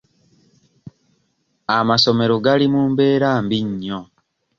Amasomero gali mu mbeera mbi nnyo.